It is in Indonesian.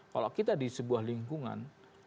kalau kita di sebuah lingkungan